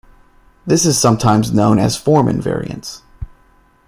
This is sometimes known as form invariance.